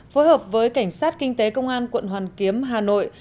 phối hợp với cảnh sát kinh tế công an quận hoàn kiếm hà nội